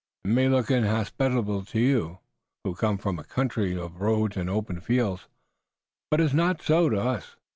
It may look inhospitable to you who come from a country of roads and open fields, but it's not so to us.